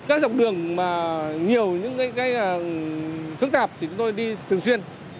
các dọc đường mà nhiều những cái phức tạp thì chúng tôi đi thường xuyên